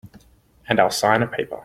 And I'll sign a paper.